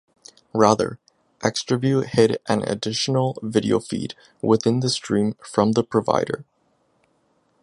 Rather, Xtraview hid an additional video feed within the stream from the provider.